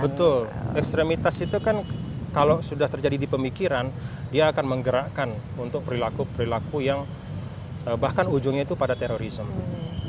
betul ekstremitas itu kan kalau sudah terjadi di pemikiran dia akan menggerakkan untuk perilaku perilaku yang bahkan ujungnya itu pada terorisme